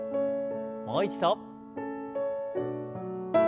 もう一度。